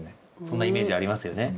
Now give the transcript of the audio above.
そんなイメージありますよね。